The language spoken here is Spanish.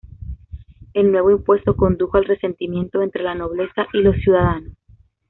El nuevo impuesto condujo al resentimiento entre la nobleza y los ciudadanos.